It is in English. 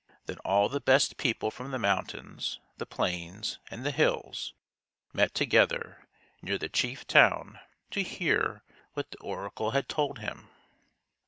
Then all the best people from the moun tains, the plains, and the hills met together near the chief town to hear what the oracle had told him.